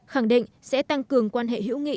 khẳng định sẽ tăng cường quan hệ hữu nghị